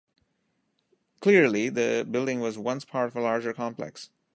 Clearly, the building was once part of a larger complex.